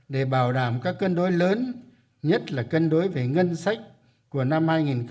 để bảo đảm các cân đối lớn nhất là cân đối về ngân sách của năm hai nghìn hai mươi